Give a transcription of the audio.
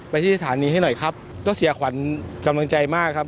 ที่สถานีให้หน่อยครับก็เสียขวัญกำลังใจมากครับ